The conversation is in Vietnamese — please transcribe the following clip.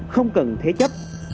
không cần thế chấp